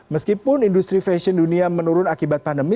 meskipun industri fashion dunia menurun akibat pandemi